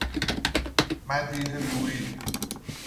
مدیحه گوئی